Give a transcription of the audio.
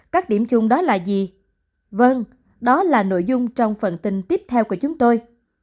các điểm chung đó là gì vâng đó là nội dung trong phần tin tiếp theo của chúng tôi